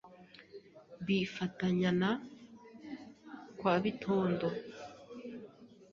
B'i Fatanyana kwa Bitondo